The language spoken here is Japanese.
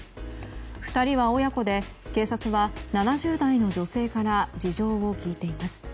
２人は親子で警察は７０代の女性から事情を聴いています。